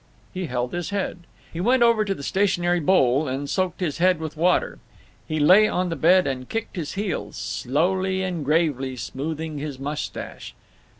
He held his head. He went over to the stationary bowl and soaked his hair with water. He lay on the bed and kicked his heels, slowly and gravely smoothing his mustache.